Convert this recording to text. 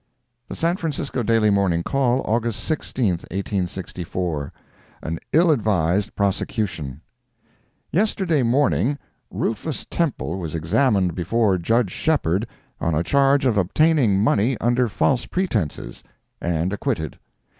The San Francisco Daily Morning Call, August 16, 1864 AN ILL ADVISED PROSECUTION Yesterday morning, Rufus Temple was examined before Judge Shepheard on a charge of obtaining money under false pretences, and acquitted.